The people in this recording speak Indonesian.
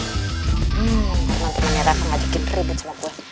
hmm temen temennya reva ngajakin ribet sama gue